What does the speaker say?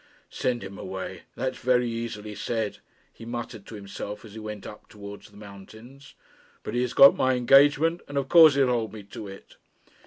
'Send him away; that's very easily said,' he muttered to himself as he went up towards the mountains; 'but he has got my engagement, and of course he'll hold me to it.'